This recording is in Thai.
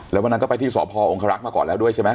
แล้ววันนั้นก็ไปที่สพองครักษ์มาก่อนแล้วด้วยใช่ไหม